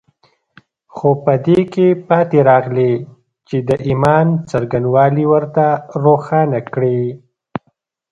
خو په دې کې پاتې راغلي چې د ايمان څرنګوالي ورته روښانه کړي.